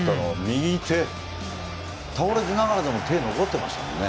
右手、倒れながらでも手が残ってますもんね。